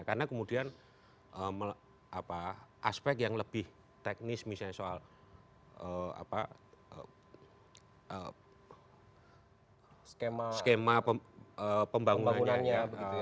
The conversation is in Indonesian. karena kemudian aspek yang lebih teknis misalnya soal skema pembangunannya